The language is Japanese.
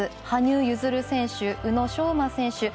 羽生結弦選手、宇野昌磨選手